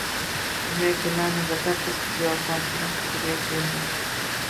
Shunday kunlarning birida qiz giyohchining huzuriga keldi